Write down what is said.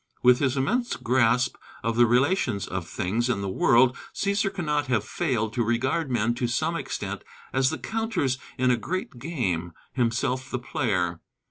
With his immense grasp of the relations of things in the world, Cæsar cannot have failed to regard men to some extent as the counters in a great game himself the player.